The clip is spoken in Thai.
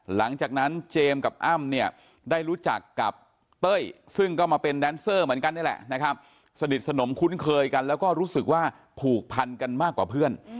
หลังจากนั้นเจมส์กับอ้ำเนี่ยได้รู้จักกับเต้ยซึ่งก็มาเป็นแดนเซอร์เหมือนกันนี่แหละนะครับสนิทสนมคุ้นเคยกันแล้วก็รู้สึกว่าผูกพันกันมากกว่าเพื่อน